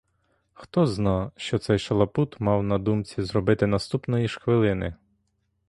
Хто зна, що цей шалапут мав на думці зробити наступної ж хвилини?